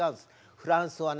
フランスはね